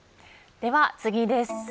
では次です。